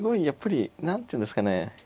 やっぱり何ていうんですかね